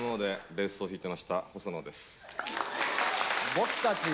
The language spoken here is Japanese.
僕たち。